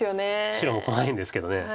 白も怖いんですけど。